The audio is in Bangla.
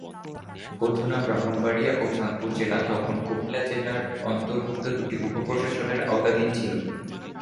অধুনা ব্রাহ্মণবাড়িয়া ও চাঁদপুর জেলা তখন কুমিল্লা জেলার অন্তর্ভুক্ত দুটি উপ প্রশাসনের আওতাধীন ছিল।